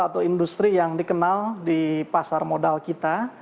jadi ini adalah yang terkenal di pasar modal kita